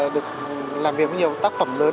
được làm việc với nhiều tác phẩm lớn